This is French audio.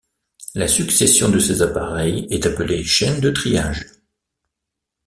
La succession de ces appareils est appelée chaîne de triage.